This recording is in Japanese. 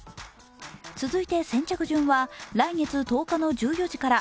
続いて先着順は、来月１０日の１４時から